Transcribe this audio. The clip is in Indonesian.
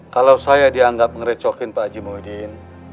kalau saya dianggap ngerecokin pak haji muhidin